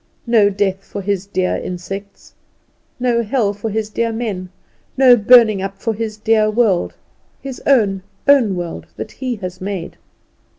No death for His dear insects, no hell for His dear men, no burning up for His dear world His own, own world that he has made.